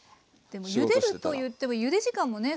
でもゆでるといってもゆで時間もね